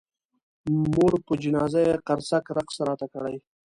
د مور پر جنازه یې قرصک رقص راته کړی.